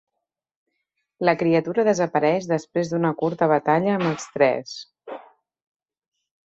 La criatura desapareix després d'una curta batalla amb els tres.